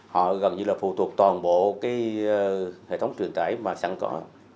họ gần như là phụ thuộc toàn bộ cái hệ thống truyền tải mà sẵn có